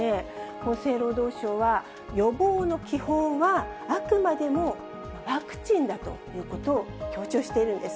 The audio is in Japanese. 厚生労働省は、予防の基本は、あくまでもワクチンだということを強調しているんです。